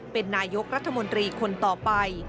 เป็นนายกรัฐมนตรีคนต่อไป